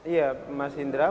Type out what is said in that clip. iya mas indra